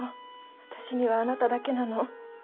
私にはあなただけなの。